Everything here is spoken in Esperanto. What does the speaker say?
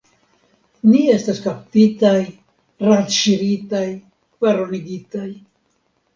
Ni estas kaptitaj, radŝiritaj, kvaronigitaj!